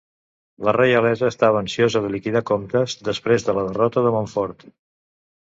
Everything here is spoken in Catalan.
La reialesa estava ansiosa de liquidar comptes després de la derrota de Montfort.